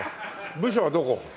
部署はどこ？